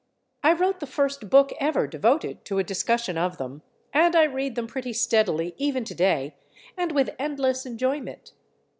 I wrote the first book ever devoted to a discussion of them, and I read them pretty steadily, even to day, and with endless enjoyment.